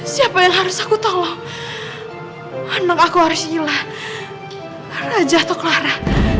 siapa yang harus aku tolong anak aku harus gila raja tok lara